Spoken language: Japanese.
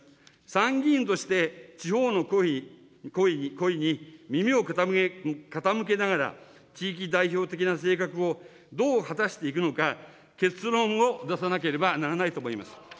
参議院として、地方の声に耳を傾けながら、地域代表的な性格をどう果たしていくのか、結論を出さなければならないと思います。